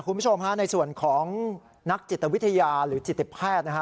คุณผู้ชมฮะในส่วนของนักจิตวิทยาหรือจิตแพทย์นะฮะ